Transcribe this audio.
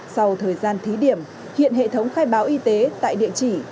sau thời gian thí điểm hiện hệ thống khai báo y tế tại địa chỉ